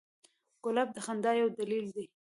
ګلاب د خندا یو دلیل دی.